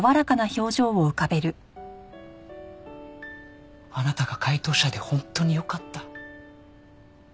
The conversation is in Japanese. あなたが解答者で本当によかった。